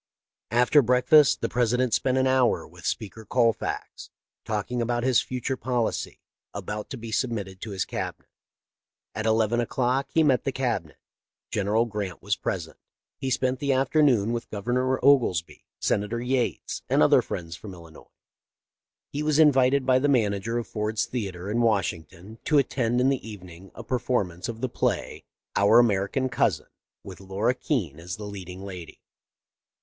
After breakfast the President spent an hour with Speaker Colfax, talking about his future policy, about to be submitted to his Cabinet. At eleven o'clock he met the Cabinet. General Grant was present. He spent the afternoon with Gov ernor Oglesby, Senator Yates, and other friends from Illinois. He was invited by the manager of Ford's theatre, in Washington, to attend in the evening a performance of the play, ' Our Ameri can Cousin,' with Laura Keene as the leading lady.